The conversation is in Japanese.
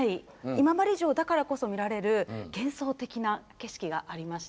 今治城だからこそ見られる幻想的な景色がありまして。